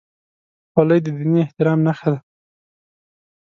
خولۍ د دیني احترام نښه ده.